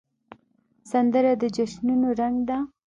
سندره د جشنونو رنګ ده